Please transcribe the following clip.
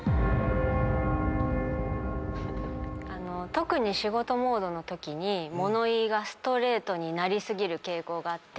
特に仕事モードのときに物言いがストレートになり過ぎる傾向があって。